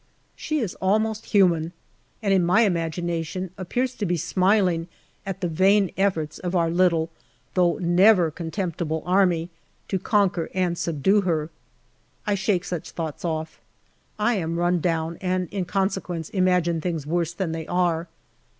She is almost human, and in my imagin ation appears to be smiling at the vain efforts of our little, though never contemptible, Army to conquer and subdue her. I shake such thoughts off. I am run down, and in consequence imagine things worse than they are.